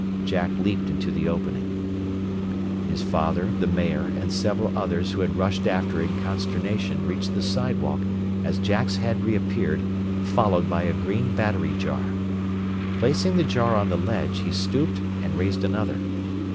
Jack leaped into the opening. His father, the mayor, and several others who had rushed after in consternation reached the sidewalk as Jack's head reappeared, followed by a green battery jar. Placing the jar on the ledge, he stooped, and raised another.